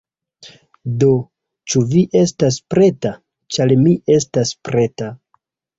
Do, ĉu vi estas preta? ĉar mi estas preta!